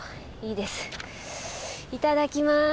いただきます。